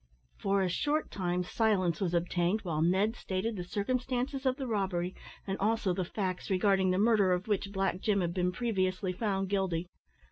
For a short time silence was obtained while Ned stated the circumstances of the robbery, and also the facts regarding the murder of which Black Jim had been previously found guilty.